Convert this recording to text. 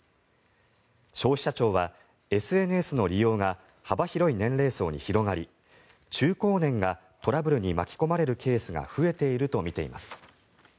消費者庁は、ＳＮＳの利用が幅広い年齢層に広がり中高年がトラブルに巻き込まれるケースが増えているとみています。